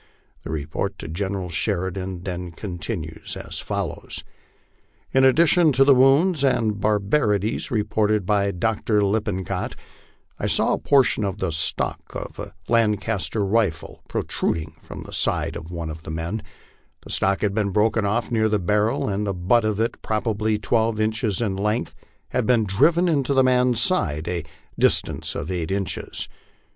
The report to General Sheridan then continues as follows: " In addition to the wounds and barbarities reported by Dr. Lippincott, I saw a portion of the stock of a Lancaster rifle protruding from the side of one of the men ; the stock had been broken off near the ban el, and the butt of it, probably twelve inches in length, had been driven into the man's side a dis tance of eight inches.